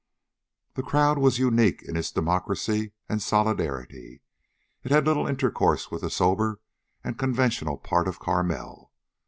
The crowd was unique in its democracy and solidarity. It had little intercourse with the sober and conventional part of Carmel.